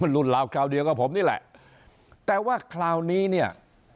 รุ่นราวคราวเดียวกับผมนี่แหละแต่ว่าคราวนี้เนี่ย